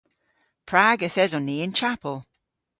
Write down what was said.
Prag yth eson ni y'n chapel?